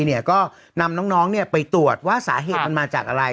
เนี่ยก็นำน้องไปตรวจว่าสาเหตุมันมาจากอะไร